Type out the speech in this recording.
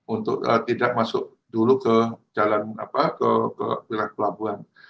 untuk tidak masuk dulu ke jalan ke wilayah pelabuhan